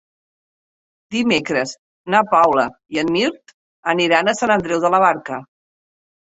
Dimecres na Paula i en Mirt aniran a Sant Andreu de la Barca.